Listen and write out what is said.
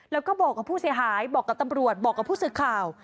แล้วก็บอกกับผู้เสียหายบอกกับตำรวจบอกกับผู้สื่อข่าว